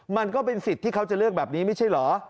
มันก็เป็นสิทธิ์ที่เขาจะเลือกแบบนี้ไม่ใช่เหรอ